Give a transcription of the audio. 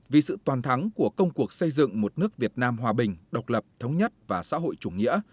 vì sự toàn thắng của công cuộc xây dựng một nước việt nam hòa bình độc lập thống nhất và xã hội chủ nghĩa